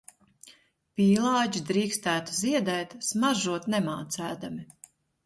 Pīlādži drīkstētu ziedēt, smaržot nemācēdami...